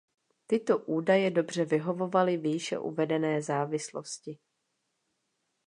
Tyto údaje dobře vyhovovaly výše uvedené závislosti.